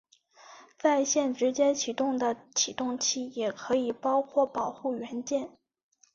在线直接起动的启动器也可以包括保护元件。